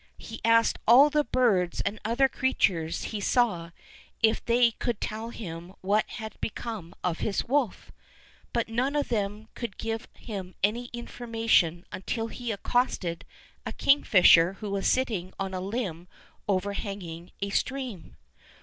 He asked all the birds and other crea tures he saw if they could tell him what had become of his wolf, but none of then could give him any information until he accosted a kingfisher who was sitting on a limb over hanging a stream.